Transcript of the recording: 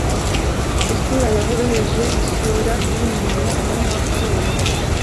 isura yoroheje - isura yumuntu umwe wapfuye